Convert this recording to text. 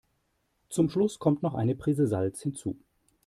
Zum Schluss kommt noch eine Prise Salz hinzu.